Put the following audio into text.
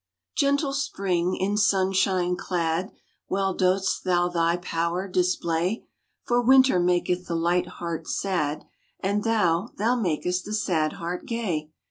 Gentle Spring! in sunshine clad, Well dost thou thy power display! For Winter maketh the light heart sad, And thou, thou makest the sad heart gay.